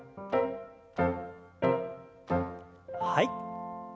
はい。